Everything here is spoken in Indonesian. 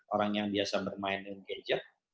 orang yang biasa bermain dengan gadget